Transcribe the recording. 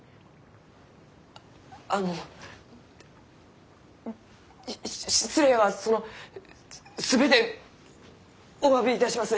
あのし失礼はその全ておわびいたします！